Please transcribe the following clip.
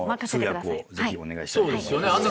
そうですよね。